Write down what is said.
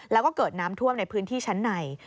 แล้วก็เกิดน้ำท่วมในพื้นที่ชั้นใน